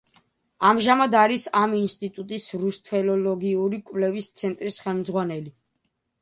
ამჟამად არის ამ ინსტიტუტის რუსთველოლოგიური კვლევის ცენტრის ხელმძღვანელი.